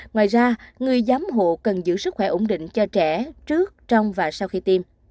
ngoài ra người giám hộ cần giữ sức khỏe ổn định cho trẻ trước trong và sau khi tiêm